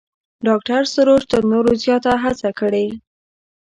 ډاکتر سروش تر نورو زیات هڅه کړې ده.